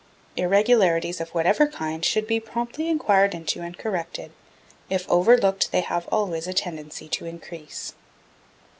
Irregularities of whatever kind should be promptly enquired into and corrected; if overlooked they have always a tendency to increase.